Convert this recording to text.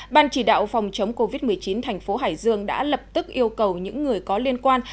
ban chỉ đạo phòng chống covid một mươi chín thành phố hải dương đã lập tức yêu cầu những người có liên quan